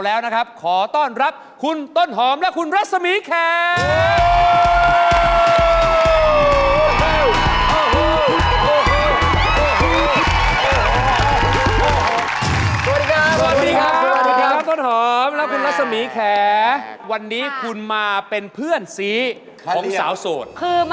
สวัสดีครับต้นหอมและรักษณียแครคุณรักษณียแครวันนี้คุณมาเป็นเพื่อนซีของสาวโสด